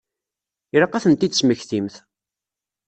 Ilaq ad tent-id-tesmektimt.